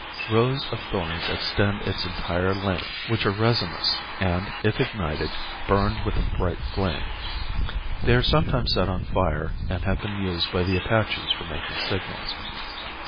Rows of thorns extend its entire length which are resinous and, if ignited, burn with a bright flame. They are sometimes set on fire and have been used by the Apaches for making signals.